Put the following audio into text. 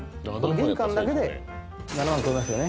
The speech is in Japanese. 玄関だけで７万超えますよね